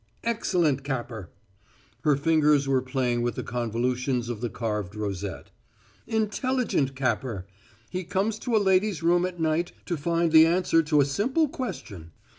"Excellent Capper!" Her fingers were playing with the convolutions of the carved rosette. "Intelligent Capper! He comes to a lady's room at night to find the answer to a simple question.